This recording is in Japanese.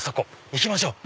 行きましょう。